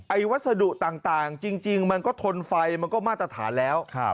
วัสดุต่างจริงมันก็ทนไฟมันก็มาตรฐานแล้ว